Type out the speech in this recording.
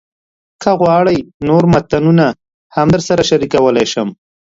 که غواړئ، نور متنونه هم درسره شریکولی شم.